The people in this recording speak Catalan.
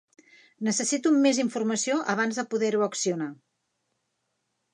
Necessito més informació abans de poder-ho accionar.